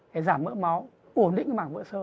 để giảm mỡ máu ổn định mảng vữa sơ